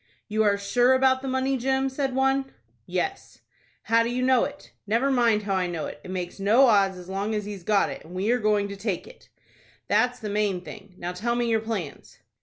"You are sure about the money, Jim," said one. "Yes." "How do you know it?" "Never mind how I know it. It makes no odds as long as he's got it, and we are going to take it." "That's the main thing. Now tell me your plans."